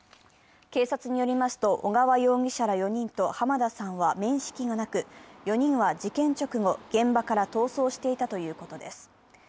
警察によりますと小川容疑者ら４人と浜田さんは面識がなく４人は事件直後、現場から逃走していたということです。